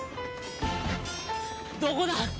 どこだ？